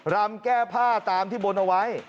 รำแก้ผ้าตามที่บนเอาไว้